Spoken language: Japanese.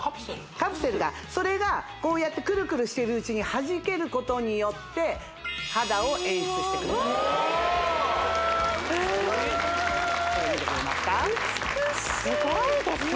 カプセルがそれがこうやってクルクルしてるうちにはじけることによって肌を演出してくれるうわすごいうわこれ見てくれますか美しいすごいですよね